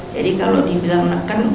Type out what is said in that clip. jadi kalau dibilang neken